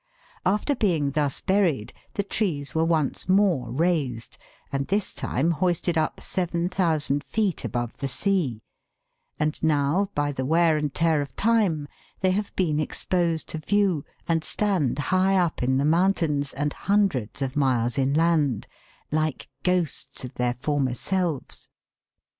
After being thus buried, the trees were once more raised, and this time hoisted up 7,000 feet above the sea, and now, by the wear and tear of time, they have been exposed to view and stand high up in the mountains and hundreds of miles inland, like ghosts of their former selves.